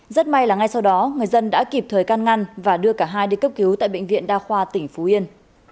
rất may là ngay sau đó người dân đã kịp thời can ngăn và đưa cả hai đi cấp cứu tại bệnh viện đa khoa tỉnh phú yên